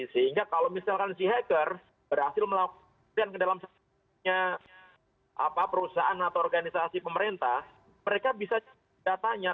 sehingga kalau misalkan si hacker berhasil melakukan ke dalam perusahaan atau organisasi pemerintah mereka bisa datanya